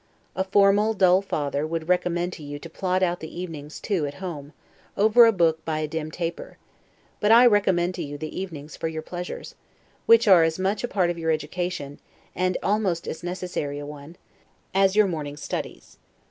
A formal, dull father, would recommend to you to plod out the evenings, too, at home, over a book by a dim taper; but I recommend to you the evenings for your pleasures, which are as much a part of your education, and almost as necessary a one, as your morning studies.